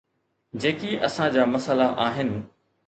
جيڪي اسان جا مسئلا آهن.